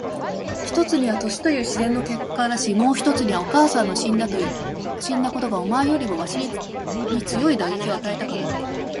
一つには年という自然の結果だし、もう一つにはお母さんの死んだことがお前よりもわしに強い打撃を与えたからだ。